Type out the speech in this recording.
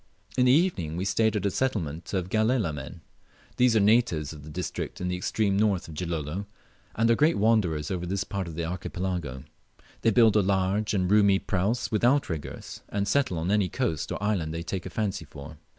In the evening we stayed at a settlement of Galela men. These are natives of a district in the extreme north of Gilolo, and are great wanderers over this part of the Archipelago. They build large and roomy praus with outriggers, and settle on any coast or island they take a fancy for.